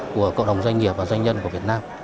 của cộng đồng doanh nghiệp và doanh nhân của việt nam